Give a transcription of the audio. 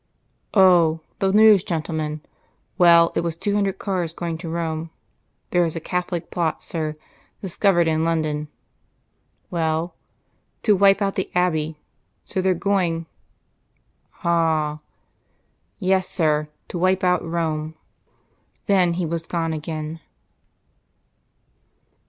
"Oh! the news, gentlemen. Well, it was two hundred cars going to Rome. There is a Catholic plot, sir, discovered in London " "Well?" "To wipe out the Abbey. So they're going " "Ah!" "Yes, sir to wipe out Rome." Then he was gone again.